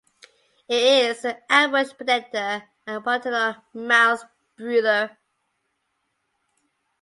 It is an ambush predator and paternal mouthbrooder.